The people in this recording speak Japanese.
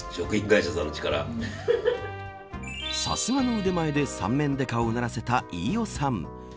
さすがの腕前で三面刑事をうならせた飯尾さん。